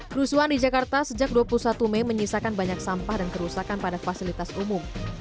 kerusuhan di jakarta sejak dua puluh satu mei menyisakan banyak sampah dan kerusakan pada fasilitas umum